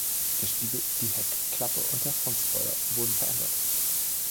Die Spiegel, die Heckklappe und der Frontspoiler wurden verändert.